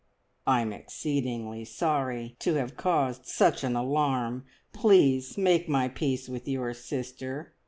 "I'm exceedingly sorry to have caused such an alarm! Please make my peace with your sister.